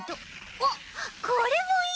おっこれもいい。